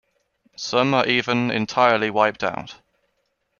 Some are even entirely wiped out.